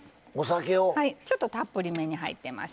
ちょっとたっぷりめに入ってます。